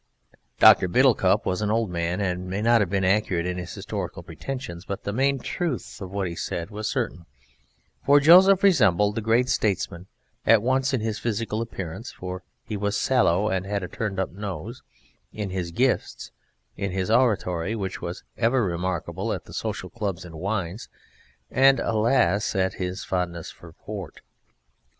Dr. Biddlecup was an old man and may not have been accurate in his historical pretensions, but the main truth of what he said was certain, for Joseph resembled the great statesman at once in his physical appearance, for he was sallow and had a turned up nose: in his gifts: in his oratory which was ever remarkable at the social clubs and wines and alas! in his fondness for port.